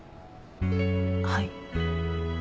はい。